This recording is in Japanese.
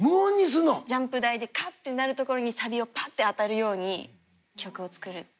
ジャンプ台でカッてなるところにサビをパッて当たるように曲を作る。